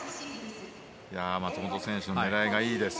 松本選手狙いがいいです。